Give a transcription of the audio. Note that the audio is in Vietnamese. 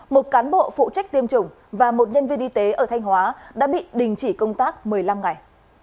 một cán bộ phụ trách tiêm chủng và một nhân viên y tế ở thanh hóa đã bị đình chỉ công tác một mươi năm ngày